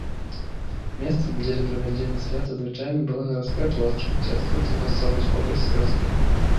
Месцам дзеля правядзення свята звычайна была гарадская плошча ці адкрытая мясцовасць побач з вёскай.